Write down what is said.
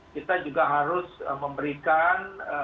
kita juga harus memberikan